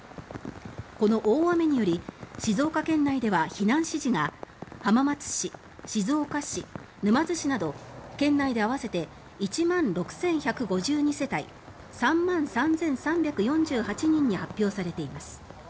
この大雨により静岡県内では避難指示が浜松市、静岡市、沼津市など県内で合わせて１万６１５２世帯３万３３４８人に発表されています。